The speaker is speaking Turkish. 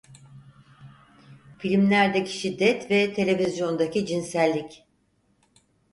Filmlerdeki şiddet ve televizyondaki cinsellik…